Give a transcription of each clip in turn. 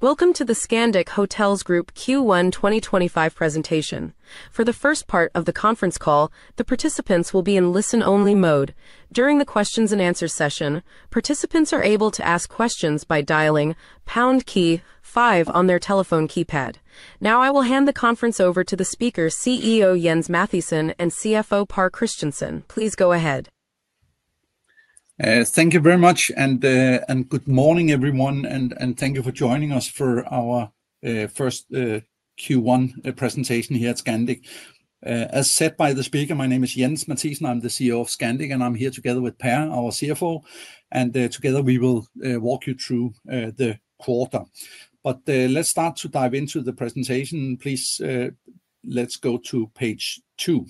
Welcome to the Scandic Hotels Group Q1 2025 presentation. For the first part of the conference call, the participants will be in listen-only mode. During the Q&A session, participants are able to ask questions by dialing #5 on their telephone keypad. Now, I will hand the conference over to the Speaker, CEO Jens Mathiesen, and CFO Pär Christiansen. Please go ahead. Thank you very much, and good morning, everyone, and thank you for joining us for our first Q1 presentation here at Scandic. As said by the Speaker, my name is Jens Mathiesen, I'm the CEO of Scandic, and I'm here together with Pär, our CFO, and together we will walk you through the quarter. Let's start to dive into the presentation. Please, let's go to page two.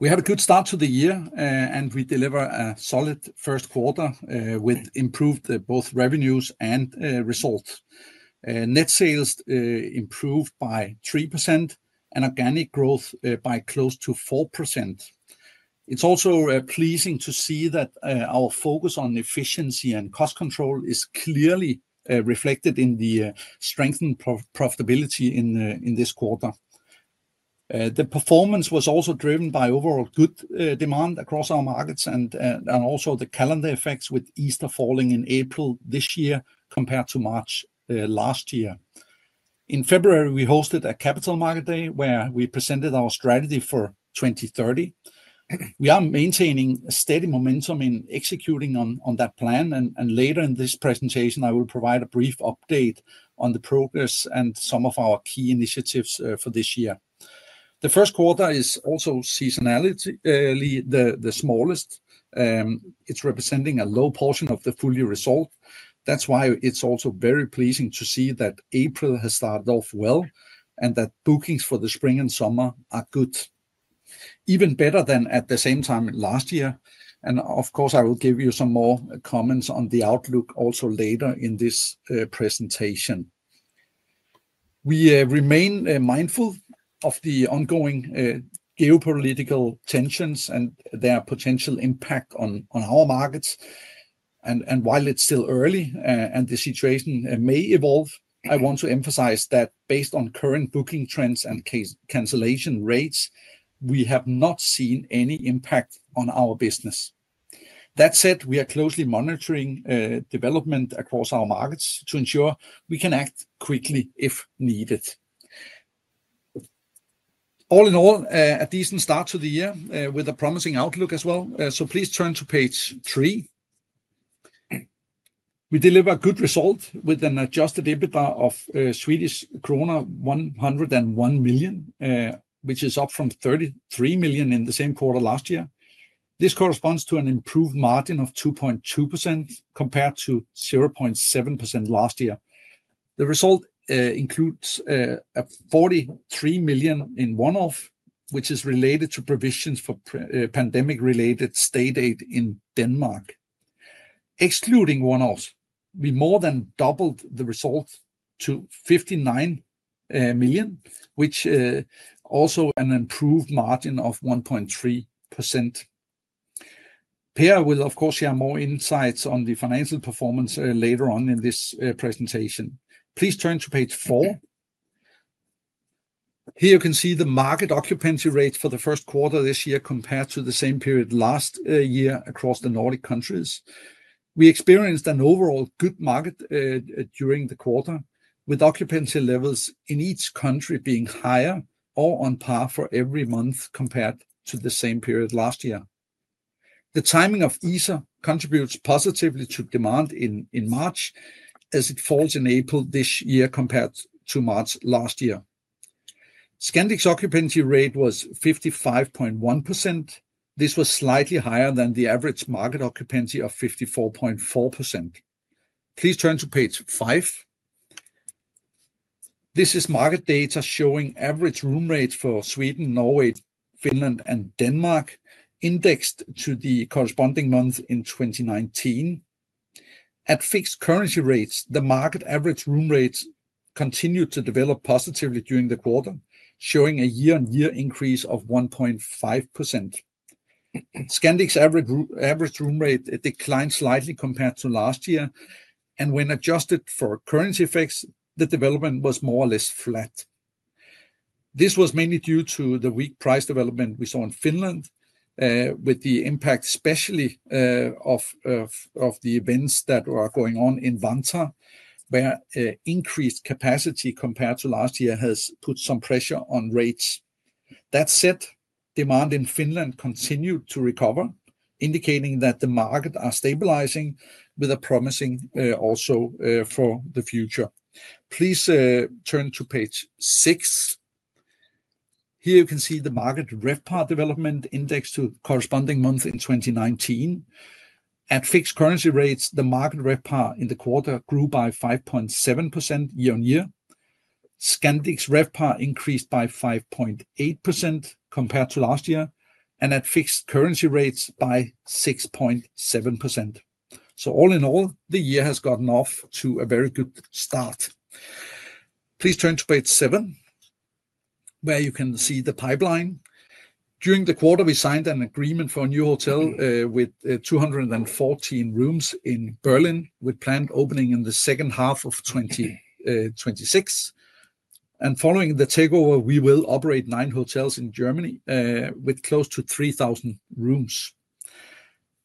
We had a good start to the year, and we delivered a solid first quarter with improved both revenues and results. Net sales improved by 3%, and organic growth by close to 4%. It's also pleasing to see that our focus on efficiency and cost control is clearly reflected in the strengthened profitability in this quarter. The performance was also driven by overall good demand across our markets, and also the calendar effects with Easter falling in April this year compared to March last year. In February, we hosted a Capital Market Day, where we presented our strategy for 2030. We are maintaining a steady momentum in executing on that plan, and later in this presentation, I will provide a brief update on the progress and some of our key initiatives for this year. The first quarter is also seasonally the smallest. It is representing a low portion of the full result. That is why it is also very pleasing to see that April has started off well, and that bookings for the spring and summer are good, even better than at the same time last year. Of course, I will give you some more comments on the outlook also later in this presentation. We remain mindful of the ongoing geopolitical tensions and their potential impact on our markets. While it is still early, and the situation may evolve, I want to emphasize that based on current booking trends and cancellation rates, we have not seen any impact on our business. That said, we are closely monitoring development across our markets to ensure we can act quickly if needed. All in all, a decent start to the year with a promising outlook as well. Please turn to page three. We delivered a good result with an adjusted EBITDA of Swedish krona 101 million, which is up from 33 million in the same quarter last year. This corresponds to an improved margin of 2.2% compared to 0.7% last year. The result includes 43 million in one-off, which is related to provisions for pandemic-related state aid in Denmark. Excluding one-offs, we more than doubled the result to 59 million, which also has an improved margin of 1.3%. Pär will, of course, share more insights on the financial performance later on in this presentation. Please turn to page four. Here you can see the market occupancy rates for the first quarter this year compared to the same period last year across the Nordic countries. We experienced an overall good market during the quarter, with occupancy levels in each country being higher or on par for every month compared to the same period last year. The timing of Easter contributes positively to demand in March, as it falls in April this year compared to March last year. Scandic's occupancy rate was 55.1%. This was slightly higher than the average market occupancy of 54.4%. Please turn to page five. This is market data showing average room rates for Sweden, Norway, Finland, and Denmark, indexed to the corresponding month in 2019. At fixed currency rates, the market average room rates continued to develop positively during the quarter, showing a year-on-year increase of 1.5%. Scandic's average room rate declined slightly compared to last year, and when adjusted for currency effects, the development was more or less flat. This was mainly due to the weak price development we saw in Finland, with the impact especially of the events that are going on in Vantaa, where increased capacity compared to last year has put some pressure on rates. That said, demand in Finland continued to recover, indicating that the markets are stabilizing with a promising outlook for the future. Please turn to page six. Here you can see the market RevPAR development indexed to the corresponding month in 2019. At fixed currency rates, the market RevPAR in the quarter grew by 5.7% year-on-year. Scandic's RevPAR increased by 5.8% compared to last year, and at fixed currency rates by 6.7%. All in all, the year has gotten off to a very good start. Please turn to page seven, where you can see the pipeline. During the quarter, we signed an agreement for a new hotel with 214 rooms in Berlin, with planned opening in the second half of 2026. Following the takeover, we will operate nine hotels in Germany with close to 3,000 rooms.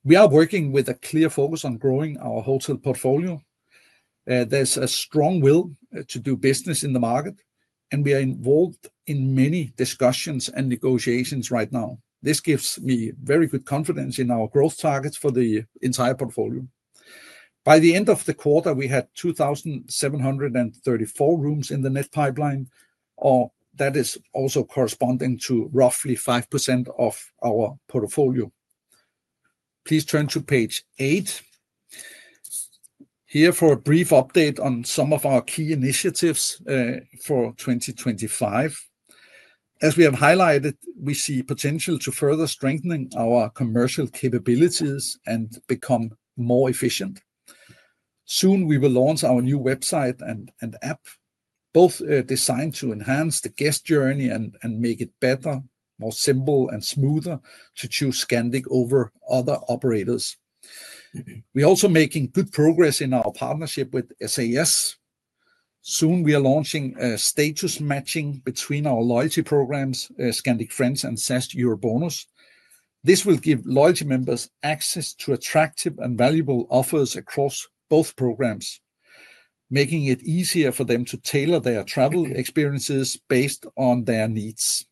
We are working with a clear focus on growing our hotel portfolio. There is a strong will to do business in the market, and we are involved in many discussions and negotiations right now. This gives me very good confidence in our growth targets for the entire portfolio. By the end of the quarter, we had 2,734 rooms in the net pipeline, or that is also corresponding to roughly 5% of our portfolio. Please turn to page eight. Here for a brief update on some of our key initiatives for 2025. As we have highlighted, we see potential to further strengthen our commercial capabilities and become more efficient. Soon, we will launch our new website and app, both designed to enhance the guest journey and make it better, more simple and smoother to choose Scandic over other operators. We are also making good progress in our partnership with SAS. Soon, we are launching status matching between our loyalty programs, Scandic Friends and SAS EuroBonus. This will give loyalty members access to attractive and valuable offers across both programs, making it easier for them to tailor their travel experiences based on their needs.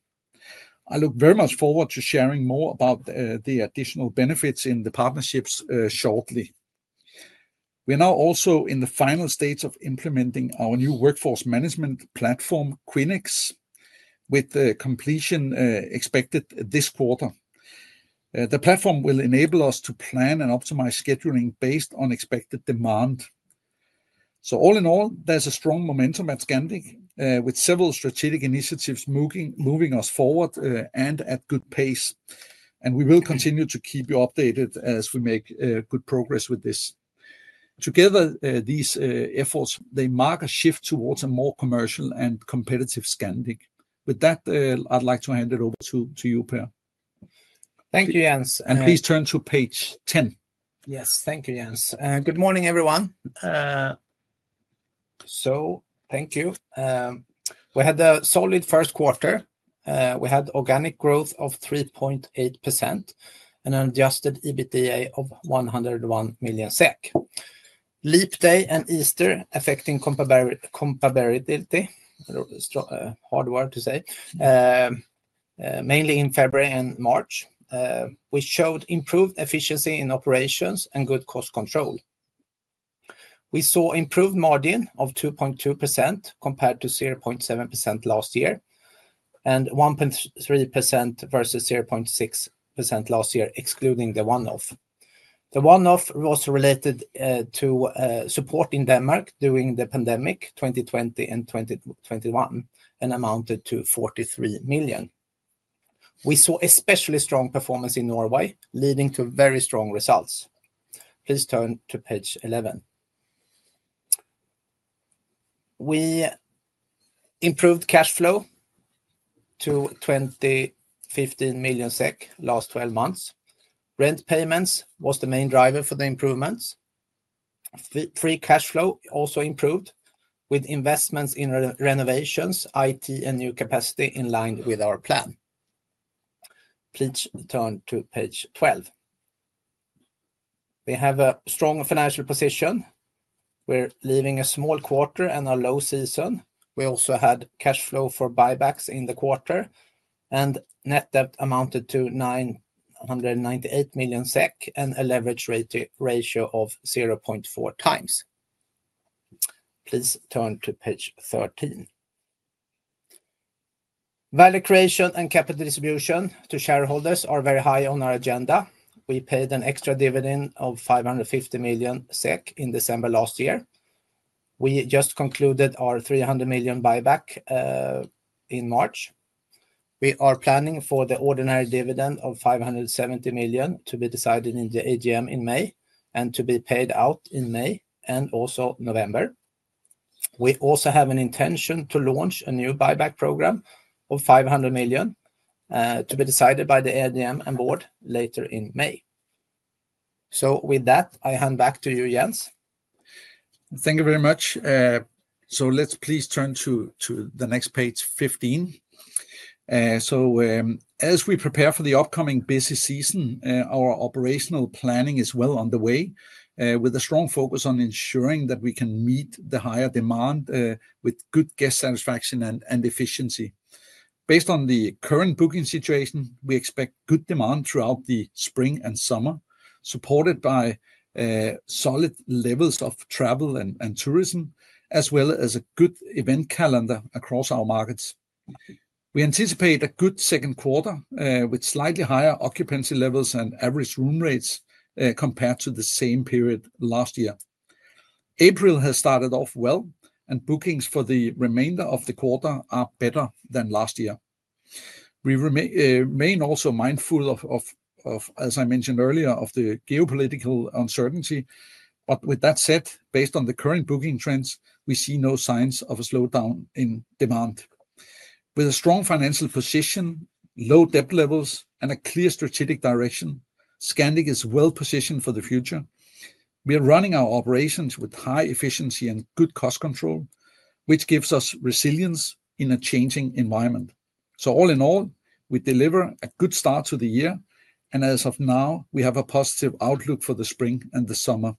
I look very much forward to sharing more about the additional benefits in the partnerships shortly. We are now also in the final stage of implementing our new workforce management platform, Quinyx, with completion expected this quarter. The platform will enable us to plan and optimize scheduling based on expected demand. All in all, there's a strong momentum at Scandic, with several strategic initiatives moving us forward and at good pace. We will continue to keep you updated as we make good progress with this. Together, these efforts, they mark a shift towards a more commercial and competitive Scandic. With that, I'd like to hand it over to you, Pär. Thank you, Jens. Please turn to page ten. Yes, thank you, Jens. Good morning, everyone. Thank you. We had a solid first quarter. We had organic growth of 3.8% and an adjusted EBITDA of 101 million SEK. Leap day and Easter affecting comparability, harder to say, mainly in February and March, which showed improved efficiency in operations and good cost control. We saw an improved margin of 2.2% compared to 0.7% last year, and 1.3% versus 0.6% last year, excluding the one-off. The one-off was related to support in Denmark during the pandemic, 2020 and 2021, and amounted to 43 million. We saw especially strong performance in Norway, leading to very strong results. Please turn to page 11. We improved cash flow to 2,015 million SEK last 12 months. Rent payments was the main driver for the improvements. Free cash flow also improved with investments in renovations, IT, and new capacity in line with our plan. Please turn to page 12. We have a strong financial position. We're leaving a small quarter and a low season. We also had cash flow for buybacks in the quarter, and net debt amounted to 998 million SEK and a leverage ratio of 0.4 times. Please turn to page 13. Value creation and capital distribution to shareholders are very high on our agenda. We paid an extra dividend of 550 million SEK in December last year. We just concluded our 300 million buyback in March. We are planning for the ordinary dividend of 570 million to be decided in the AGM in May and to be paid out in May and also November. We also have an intention to launch a new buyback program of 500 million to be decided by the AGM and board later in May. With that, I hand back to you, Jens. Thank you very much. Please turn to the next page, 15. As we prepare for the upcoming busy season, our operational planning is well underway, with a strong focus on ensuring that we can meet the higher demand with good guest satisfaction and efficiency. Based on the current booking situation, we expect good demand throughout the spring and summer, supported by solid levels of travel and tourism, as well as a good event calendar across our markets. We anticipate a good second quarter with slightly higher occupancy levels and average room rates compared to the same period last year. April has started off well, and bookings for the remainder of the quarter are better than last year. We remain also mindful of, as I mentioned earlier, the geopolitical uncertainty. With that said, based on the current booking trends, we see no signs of a slowdown in demand. With a strong financial position, low debt levels, and a clear strategic direction, Scandic is well positioned for the future. We are running our operations with high efficiency and good cost control, which gives us resilience in a changing environment. All in all, we deliver a good start to the year, and as of now, we have a positive outlook for the spring and the summer.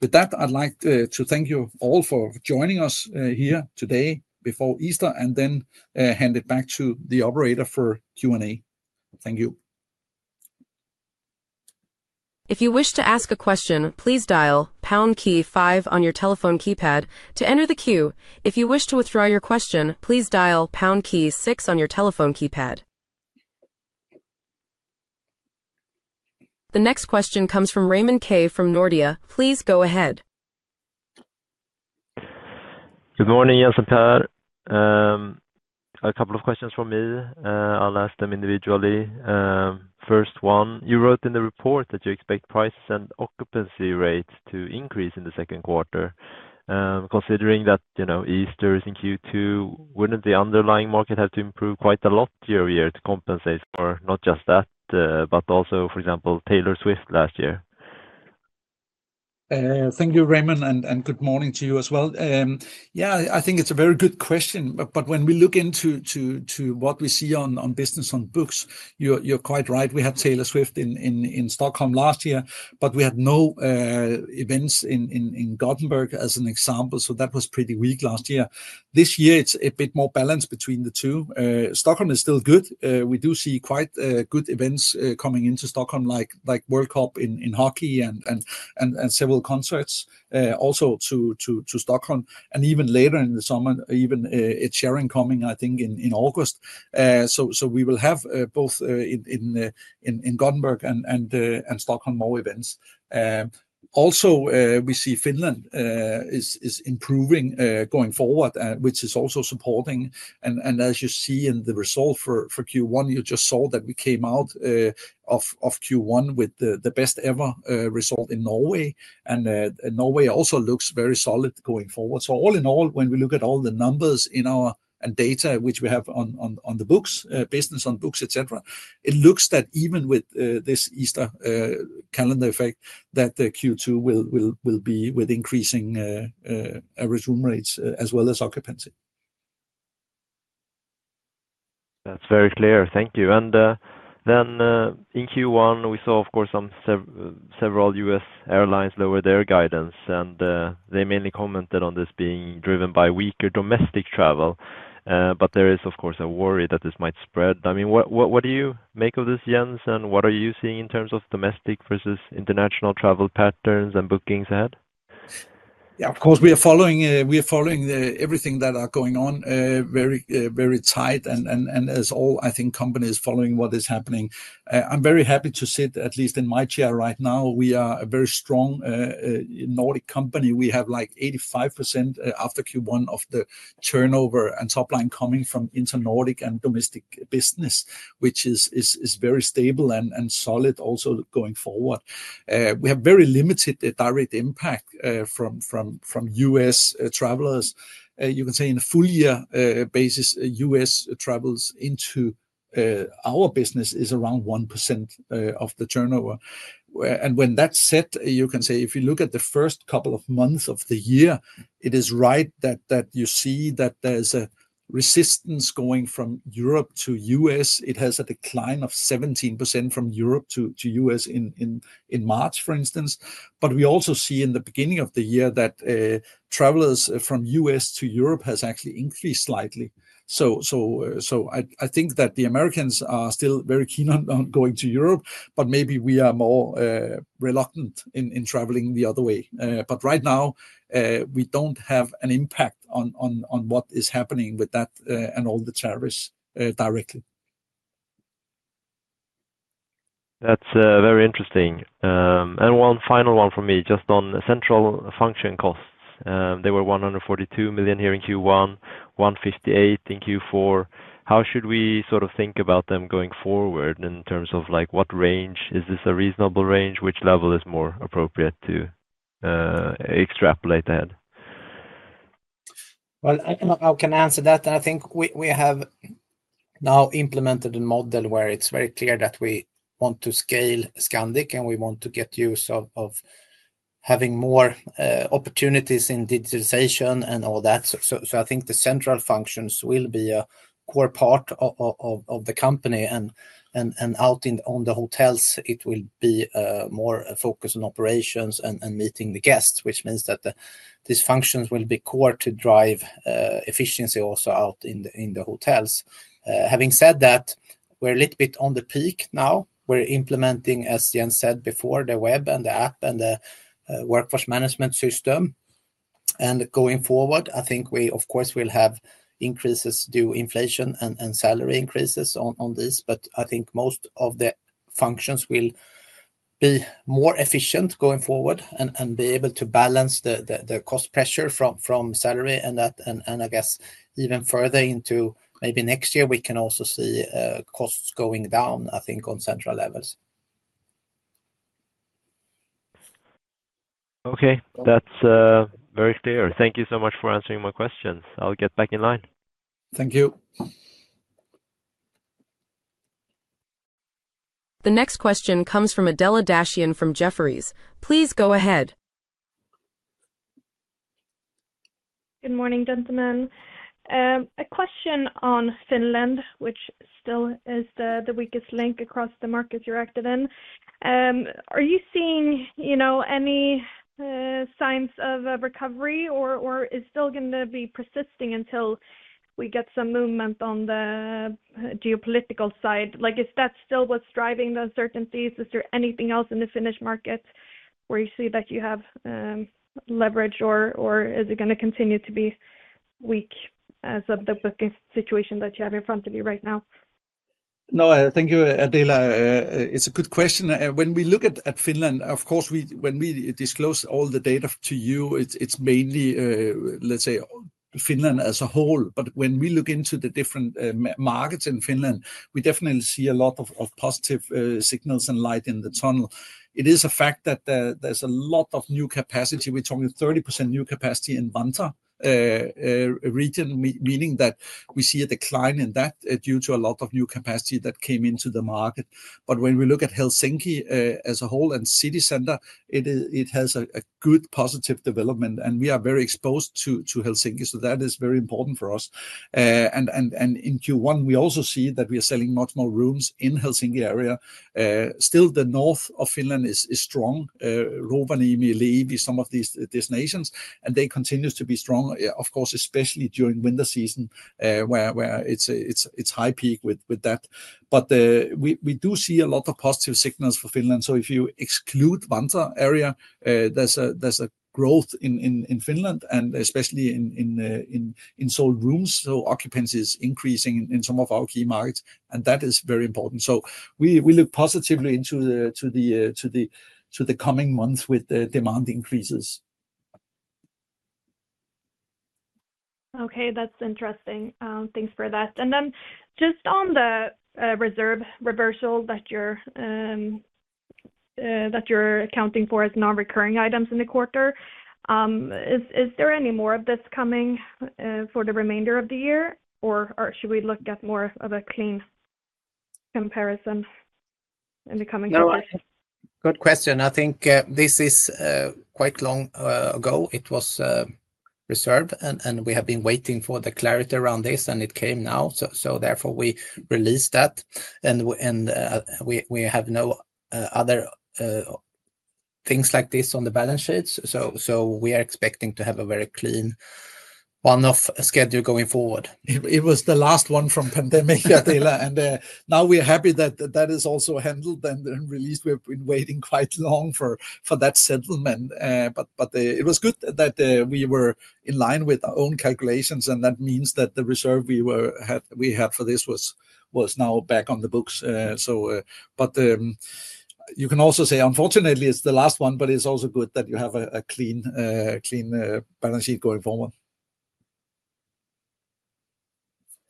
With that, I'd like to thank you all for joining us here today before Easter and then hand it back to the operator for Q&A. Thank you. If you wish to ask a question, please dial pound key five on your telephone keypad to enter the queue. If you wish to withdraw your question, please dial pound key six on your telephone keypad. The next question comes from Raymond Ke from Nordea. Please go ahead. Good morning, Jens and Pär. A couple of questions for me. I'll ask them individually. First one, you wrote in the report that you expect price and occupancy rates to increase in the second quarter. Considering that Easter is in Q2, wouldn't the underlying market have to improve quite a lot year over year to compensate for not just that, but also, for example, Taylor Swift last year? Thank you, Raymond, and good morning to you as well. Yeah, I think it's a very good question. When we look into what we see on business on books, you're quite right. We had Taylor Swift in Stockholm last year, but we had no events in Gothenburg, as an example. That was pretty weak last year. This year, it's a bit more balanced between the two. Stockholm is still good. We do see quite good events coming into Stockholm, like World Cup in hockey and several concerts also to Stockholm. Even later in the summer, even Ed Sheeran coming, I think, in August. We will have both in Gothenburg and Stockholm more events. Also, we see Finland is improving going forward, which is also supporting. As you see in the result for Q1, you just saw that we came out of Q1 with the best-ever result in Norway. Norway also looks very solid going forward. All in all, when we look at all the numbers and data which we have on the books, business on books, etc., it looks that even with this Easter calendar effect, Q2 will be with increasing average room rates as well as occupancy. That's very clear. Thank you. In Q1, we saw, of course, several US airlines lower their guidance. They mainly commented on this being driven by weaker domestic travel. There is, of course, a worry that this might spread. I mean, what do you make of this, Jens, and what are you seeing in terms of domestic versus international travel patterns and bookings ahead? Yeah, of course, we are following everything that is going on very tight. As all, I think, companies are following what is happening. I'm very happy to sit, at least in my chair right now. We are a very strong Nordic company. We have like 85% after Q1 of the turnover and top line coming from inter-Nordic and domestic business, which is very stable and solid also going forward. We have very limited direct impact from US travelers. You can say on a full-year basis, US travels into our business is around 1% of the turnover. When that's set, you can say if you look at the first couple of months of the year, it is right that you see that there's a resistance going from Europe to US. It has a decline of 17% from Europe to US in March, for instance. We also see in the beginning of the year that travelers from the U.S. to Europe have actually increased slightly. I think that the Americans are still very keen on going to Europe, but maybe we are more reluctant in traveling the other way. Right now, we do not have an impact on what is happening with that and all the tariffs directly. That's very interesting. One final one from me, just on central function costs. They were 142 million here in Q1, 158 million in Q4. How should we sort of think about them going forward in terms of what range? Is this a reasonable range? Which level is more appropriate to extrapolate ahead? I can answer that. I think we have now implemented a model where it is very clear that we want to scale Scandic, and we want to get use of having more opportunities in digitization and all that. I think the central functions will be a core part of the company. Out on the hotels, it will be more focused on operations and meeting the guests, which means that these functions will be core to drive efficiency also out in the hotels. Having said that, we are a little bit on the peak now. We are implementing, as Jens said before, the web and the app and the workforce management system. Going forward, I think we, of course, will have increases due to inflation and salary increases on these. I think most of the functions will be more efficient going forward and be able to balance the cost pressure from salary. I guess even further into maybe next year, we can also see costs going down, I think, on central levels. Okay, that's very clear. Thank you so much for answering my questions. I'll get back in line. Thank you. The next question comes from Adela Dashian from Jefferies. Please go ahead. Good morning, gentlemen. A question on Finland, which still is the weakest link across the markets you're active in. Are you seeing any signs of recovery, or is it still going to be persisting until we get some movement on the geopolitical side? Is that still what's driving the uncertainties? Is there anything else in the Finnish market where you see that you have leverage, or is it going to continue to be weak as of the booking situation that you have in front of you right now? No, thank you, Adela. It's a good question. When we look at Finland, of course, when we disclose all the data to you, it's mainly, let's say, Finland as a whole. When we look into the different markets in Finland, we definitely see a lot of positive signals and light in the tunnel. It is a fact that there's a lot of new capacity. We're talking 30% new capacity in Vantaa region, meaning that we see a decline in that due to a lot of new capacity that came into the market. When we look at Helsinki as a whole and city center, it has a good positive development. We are very exposed to Helsinki. That is very important for us. In Q1, we also see that we are selling much more rooms in the Helsinki area. Still, the north of Finland is strong. Rovaniemi, Levi, some of its destinations. They continue to be strong, of course, especially during winter season, where it's high peak with that. We do see a lot of positive signals for Finland. If you exclude Vantaa area, there's a growth in Finland, and especially in sold rooms. Occupancy is increasing in some of our key markets. That is very important. We look positively into the coming months with demand increases. Okay, that's interesting. Thanks for that. Just on the reserve reversal that you're accounting for as non-recurring items in the quarter, is there any more of this coming for the remainder of the year, or should we look at more of a clean comparison in the coming quarter? Good question. I think this is quite long ago. It was reserved, and we have been waiting for the clarity around this, and it came now. Therefore, we released that. We have no other things like this on the balance sheets. We are expecting to have a very clean one-off schedule going forward. It was the last one from pandemic, Adela. We are happy that that is also handled and released. We've been waiting quite long for that settlement. It was good that we were in line with our own calculations. That means that the reserve we had for this was now back on the books. You can also say, unfortunately, it's the last one, but it's also good that you have a clean balance sheet going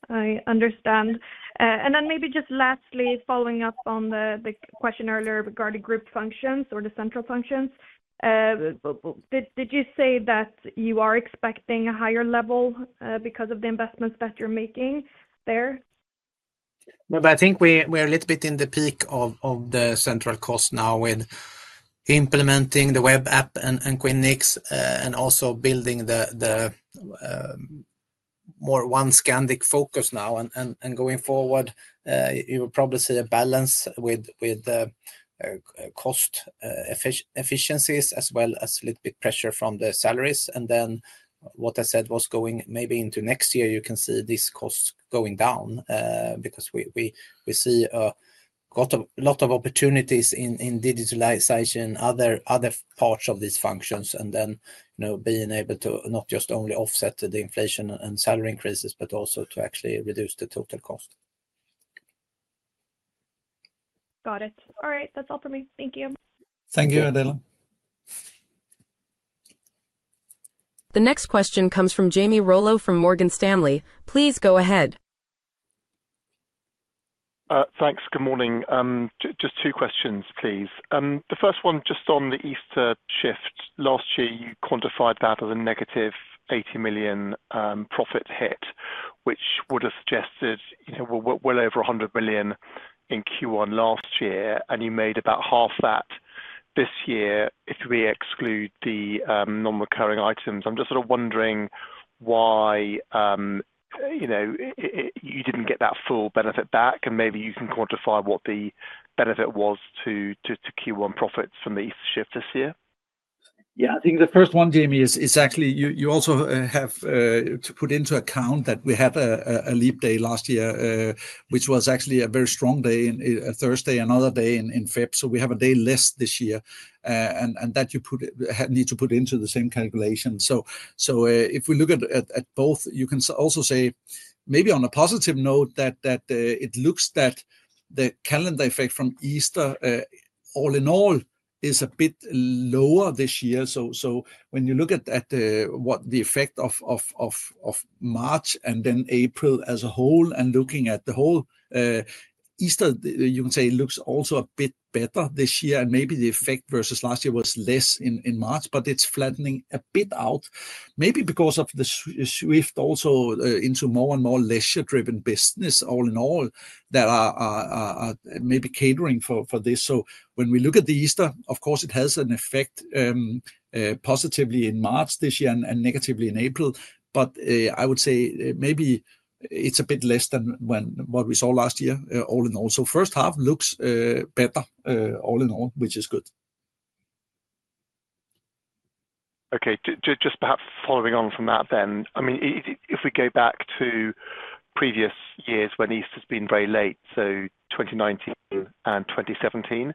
forward. I understand. Maybe just lastly, following up on the question earlier regarding group functions or the central functions, did you say that you are expecting a higher level because of the investments that you're making there? No, but I think we're a little bit in the peak of the central cost now with implementing the web app and Quinyx and also building the more one Scandic focus now. Going forward, you will probably see a balance with cost efficiencies as well as a little bit of pressure from the salaries. What I said was going maybe into next year, you can see these costs going down because we see a lot of opportunities in digitalization and other parts of these functions. Being able to not just only offset the inflation and salary increases, but also to actually reduce the total cost. Got it. All right, that's all for me. Thank you. Thank you, Adela. The next question comes from Jamie Rollo from Morgan Stanley. Please go ahead. Thanks. Good morning. Just two questions, please. The first one, just on the Easter shift, last year, you quantified that as a negative 80 million profit hit, which would have suggested well over 100 million in Q1 last year. And you made about half that this year if we exclude the non-recurring items. I'm just sort of wondering why you didn't get that full benefit back. And maybe you can quantify what the benefit was to Q1 profits from the Easter shift this year. Yeah, I think the first one, Jamie, is actually you also have to put into account that we had a leap day last year, which was actually a very strong day, a Thursday, another day in February. So we have a day less this year. That you need to put into the same calculation. If we look at both, you can also say maybe on a positive note that it looks that the calendar effect from Easter, all in all, is a bit lower this year. When you look at what the effect of March and then April as a whole and looking at the whole Easter, you can say it looks also a bit better this year. Maybe the effect versus last year was less in March, but it's flattening a bit out, maybe because of the shift also into more and more leisure-driven business, all in all, that are maybe catering for this. When we look at the Easter, of course, it has an effect positively in March this year and negatively in April. I would say maybe it's a bit less than what we saw last year, all in all. The first half looks better, all in all, which is good. Okay, just perhaps following on from that then. I mean, if we go back to previous years when Easter has been very late, so 2019 and 2017,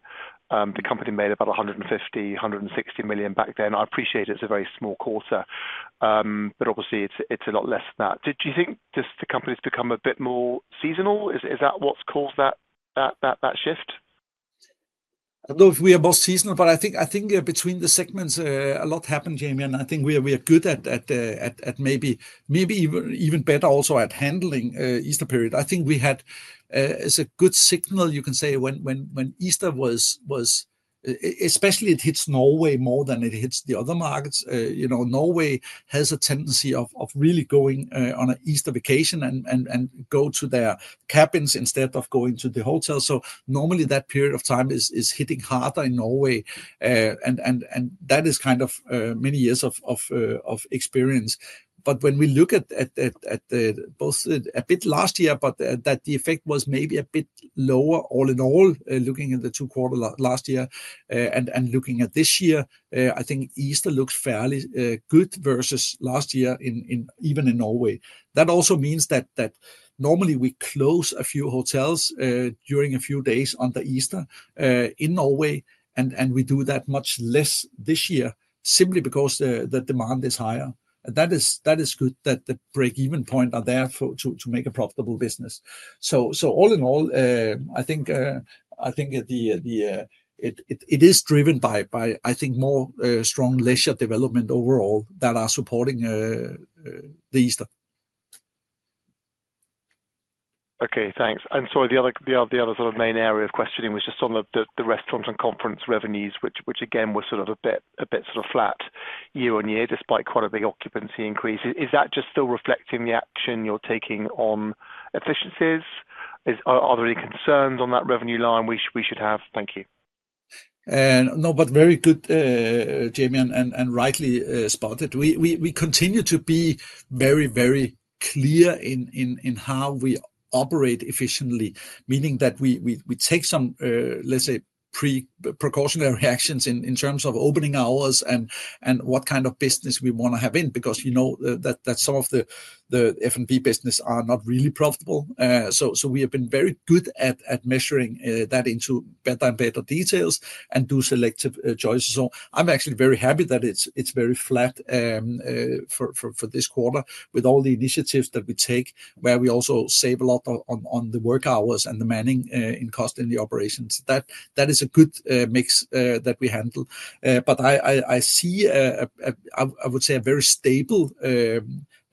the company made about 150 million, 160 million back then. I appreciate it's a very small quarter, but obviously, it's a lot less than that. Do you think just the company's become a bit more seasonal? Is that what's caused that shift? I don't know if we are more seasonal, but I think between the segments, a lot happened, Jamie. I think we are good at, maybe even better also at, handling Easter period. I think we had a good signal, you can say, when Easter was—especially it hits Norway more than it hits the other markets. Norway has a tendency of really going on an Easter vacation and go to their cabins instead of going to the hotel. Normally, that period of time is hitting harder in Norway. That is kind of many years of experience. When we look at both a bit last year, but that the effect was maybe a bit lower, all in all, looking at the two quarters last year and looking at this year, I think Easter looks fairly good versus last year, even in Norway. That also means that normally we close a few hotels during a few days under Easter in Norway. We do that much less this year simply because the demand is higher. That is good that the break-even point are there to make a profitable business. All in all, I think it is driven by, I think, more strong leisure development overall that are supporting the Easter. Okay, thanks. The other sort of main area of questioning was just on the restaurants and conference revenues, which again were sort of a bit sort of flat year on year, despite quite a big occupancy increase. Is that just still reflecting the action you're taking on efficiencies? Are there any concerns on that revenue line we should have? Thank you. No, but very good, Jamie, and rightly spotted. We continue to be very, very clear in how we operate efficiently, meaning that we take some, let's say, precautionary actions in terms of opening hours and what kind of business we want to have in, because you know that some of the F&B business are not really profitable. We have been very good at measuring that into better and better details and do selective choices. I am actually very happy that it is very flat for this quarter with all the initiatives that we take, where we also save a lot on the work hours and the manning in cost in the operations. That is a good mix that we handle. I see, I would say, a very stable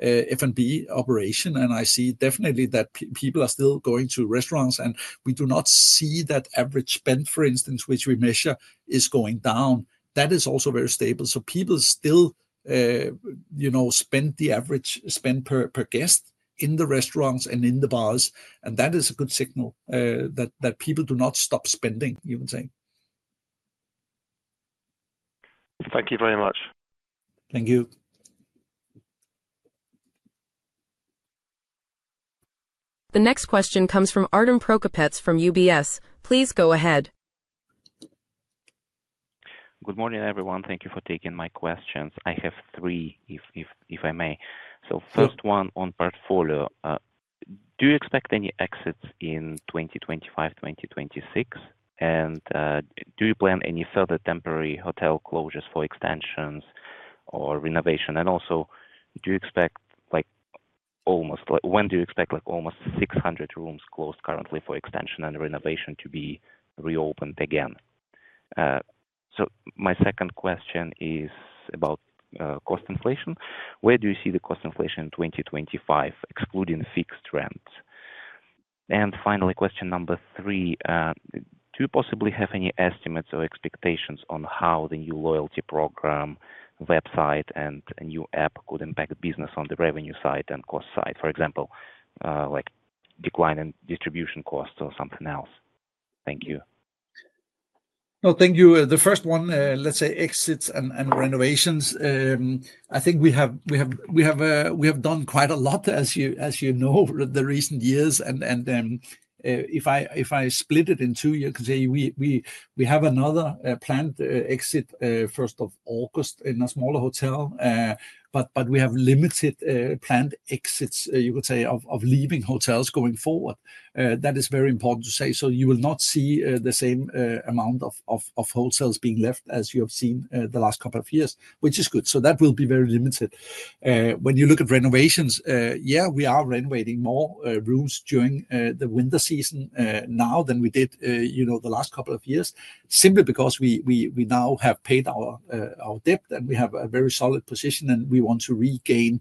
F&B operation. I see definitely that people are still going to restaurants. We do not see that average spend, for instance, which we measure, is going down. That is also very stable. People still spend the average spend per guest in the restaurants and in the bars. That is a good signal that people do not stop spending, you can say. Thank you very much. Thank you. The next question comes from Artem Prokopets from UBS. Please go ahead. Good morning, everyone. Thank you for taking my questions. I have three, if I may. First one on portfolio. Do you expect any exits in 2025, 2026? Do you plan any further temporary hotel closures for extensions or renovation? Also, when do you expect almost 600 rooms closed currently for extension and renovation to be reopened again? My second question is about cost inflation. Where do you see the cost inflation in 2025, excluding fixed rents? Finally, question number three. Do you possibly have any estimates or expectations on how the new loyalty program, website, and new app could impact business on the revenue side and cost side? For example, like declining distribution costs or something else. Thank you. No, thank you. The first one, let's say, exits and renovations. I think we have done quite a lot, as you know, the recent years. If I split it in two, you can say we have another planned exit first of August in a smaller hotel. We have limited planned exits, you could say, of leaving hotels going forward. That is very important to say. You will not see the same amount of hotels being left as you have seen the last couple of years, which is good. That will be very limited. When you look at renovations, yeah, we are renovating more rooms during the winter season now than we did the last couple of years, simply because we now have paid our debt and we have a very solid position. We want to regain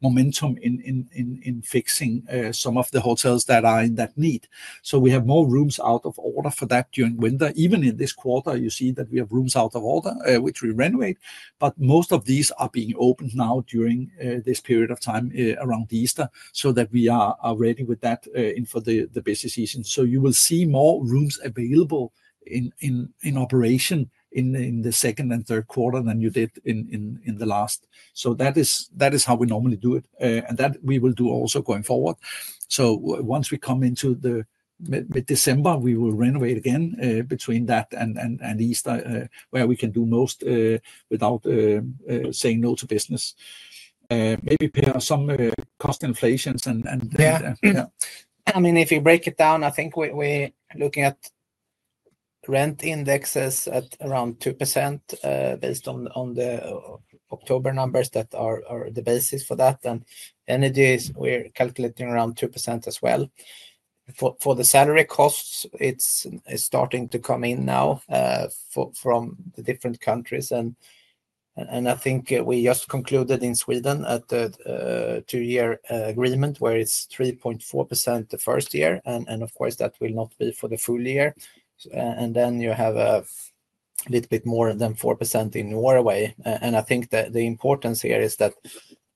momentum in fixing some of the hotels that are in that need. We have more rooms out of order for that during winter. Even in this quarter, you see that we have rooms out of order, which we renovate. Most of these are being opened now during this period of time around Easter so that we are ready with that for the busy season. You will see more rooms available in operation in the second and third quarter than you did in the last. That is how we normally do it. That we will do also going forward. Once we come into mid-December, we will renovate again between that and Easter, where we can do most without saying no to business. Maybe pay some cost inflations and then. Yeah. I mean, if you break it down, I think we're looking at rent indexes at around 2% based on the October numbers that are the basis for that. Energy is, we're calculating around 2% as well. For the salary costs, it's starting to come in now from the different countries. I think we just concluded in Sweden at the two-year agreement where it's 3.4% the first year. Of course, that will not be for the full year. You have a little bit more than 4% in Norway. I think the importance here is that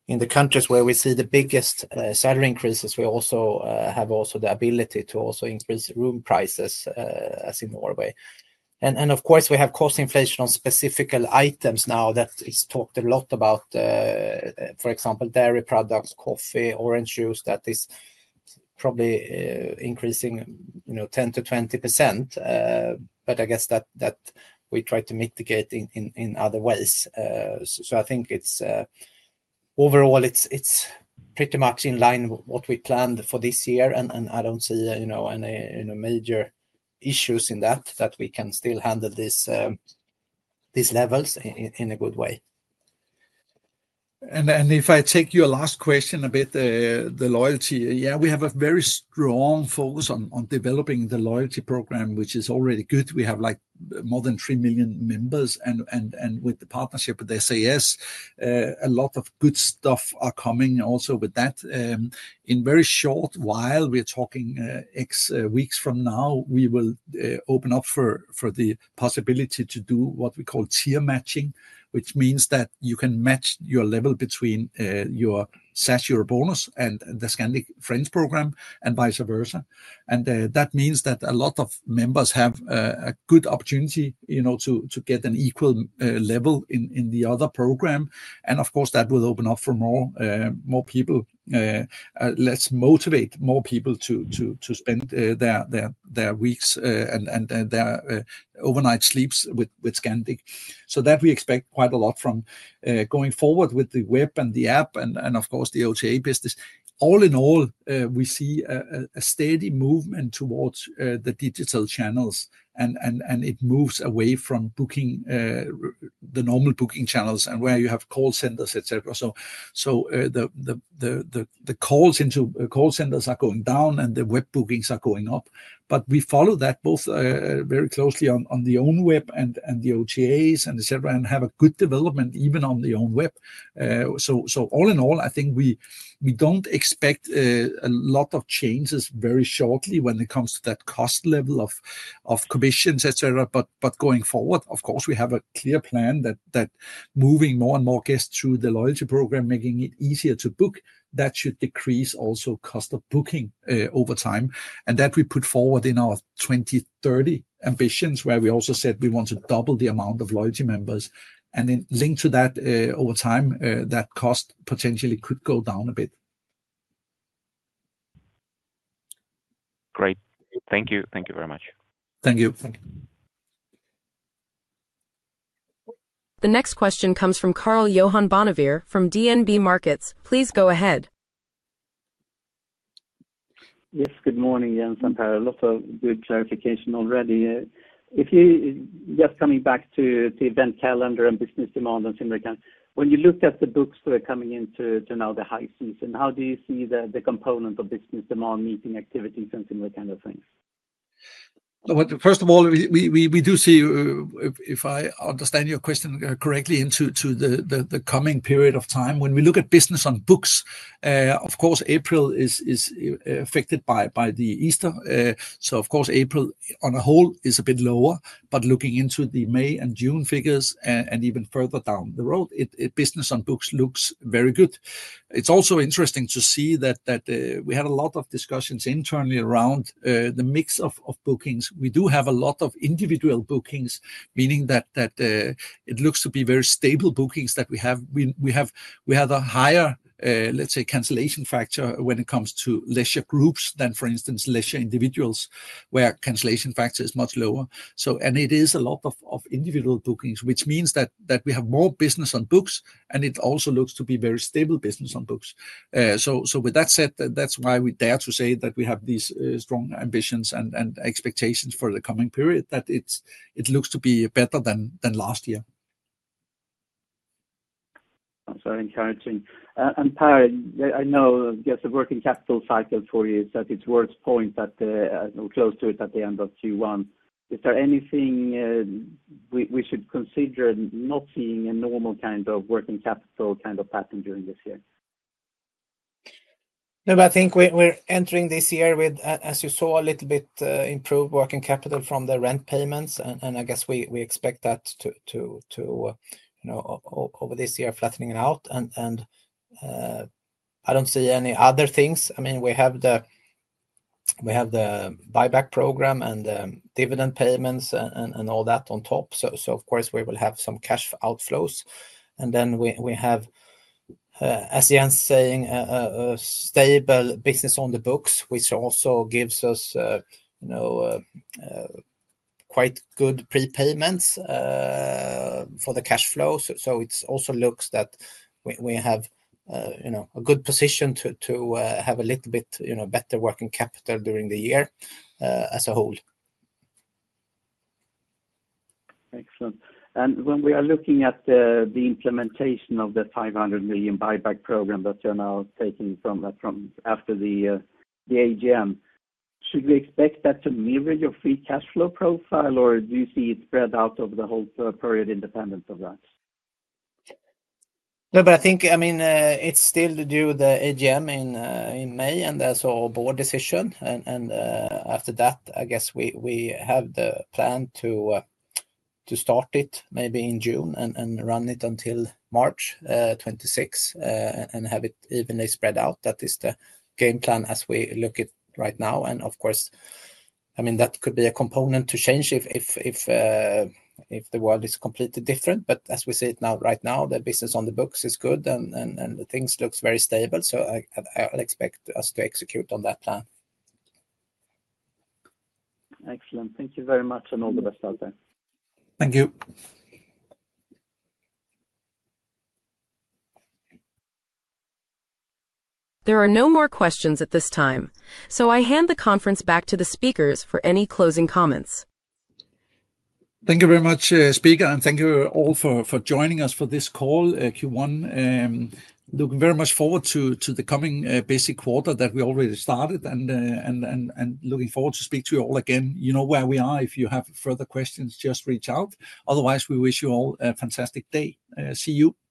in the countries where we see the biggest salary increases, we also have the ability to also increase room prices as in Norway. Of course, we have cost inflation on specific items now that is talked a lot about, for example, dairy products, coffee, orange juice that is probably increasing 10-20%. I guess that we try to mitigate in other ways. I think overall, it is pretty much in line with what we planned for this year. I do not see any major issues in that, that we can still handle these levels in a good way. If I take your last question about the loyalty, yeah, we have a very strong focus on developing the loyalty program, which is already good. We have more than 3 million members. With the partnership with SAS, a lot of good stuff are coming also with that. In a very short while, we're talking X weeks from now, we will open up for the possibility to do what we call tier matching, which means that you can match your level between your SAS EuroBonus and the Scandic Friends program, and vice versa. That means that a lot of members have a good opportunity to get an equal level in the other program. Of course, that will open up for more people, motivate more people to spend their weeks and their overnight sleeps with Scandic. We expect quite a lot from going forward with the web and the app and, of course, the OTA business. All in all, we see a steady movement towards the digital channels. It moves away from booking the normal booking channels and where you have call centers, etc. The calls into call centers are going down and the web bookings are going up. We follow that both very closely on the own web and the OTAs and etc. and have a good development even on the own web. All in all, I think we do not expect a lot of changes very shortly when it comes to that cost level of commissions, etc. Going forward, of course, we have a clear plan that moving more and more guests through the loyalty program, making it easier to book, should decrease also cost of booking over time. We put that forward in our 2030 ambitions, where we also said we want to double the amount of loyalty members. Linked to that over time, that cost potentially could go down a bit. Great. Thank you. Thank you very much. Thank you. The next question comes from Karl-Johan Bonnevier from DNB Markets. Please go ahead. Yes, good morning, Jens. I have a lot of good clarification already. Just coming back to the event calendar and business demand and similar kind of, when you look at the books that are coming into now the high season, how do you see the component of business demand meeting activities and similar kind of things? First of all, we do see, if I understand your question correctly, into the coming period of time. When we look at business on books, of course, April is affected by the Easter. April on a whole is a bit lower. Looking into the May and June figures and even further down the road, business on books looks very good. It's also interesting to see that we had a lot of discussions internally around the mix of bookings. We do have a lot of individual bookings, meaning that it looks to be very stable bookings that we have. We have a higher, let's say, cancellation factor when it comes to leisure groups than, for instance, leisure individuals, where cancellation factor is much lower. It is a lot of individual bookings, which means that we have more business on books. It also looks to be very stable business on books. With that said, that is why we dare to say that we have these strong ambitions and expectations for the coming period, that it looks to be better than last year. Encouraging. Pär, I know the working capital cycle for you is at its worst point, close to it at the end of Q1. Is there anything we should consider not seeing a normal kind of working capital kind of pattern during this year? No, I think we're entering this year with, as you saw, a little bit improved working capital from the rent payments. I guess we expect that over this year, flattening out. I don't see any other things. I mean, we have the buyback program and dividend payments and all that on top. Of course, we will have some cash outflows. We have, as Jens is saying, stable business on the books, which also gives us quite good prepayments for the cash flow. It also looks that we have a good position to have a little bit better working capital during the year as a whole. Excellent. When we are looking at the implementation of the 500 million buyback program that you are now taking from after the AGM, should we expect that to mirror your free cash flow profile, or do you see it spread out over the whole period independent of that? No, but I think, I mean, it's still due the AGM in May, and that's our board decision. After that, I guess we have the plan to start it maybe in June and run it until March 2026 and have it evenly spread out. That is the game plan as we look at right now. Of course, I mean, that could be a component to change if the world is completely different. As we see it now, right now, the business on the books is good and things look very stable. I expect us to execute on that plan. Excellent. Thank you very much and all the best out there. Thank you. There are no more questions at this time. I hand the conference back to the speakers for any closing comments. Thank you very much, Speaker. Thank you all for joining us for this call, Q1. Looking very much forward to the coming busy quarter that we already started and looking forward to speak to you all again. You know where we are. If you have further questions, just reach out. Otherwise, we wish you all a fantastic day. See you.